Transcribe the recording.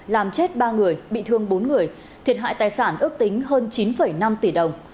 làm chết ba người bị thương bốn người thiệt hại tài sản ước tính hơn chín năm tỷ đồng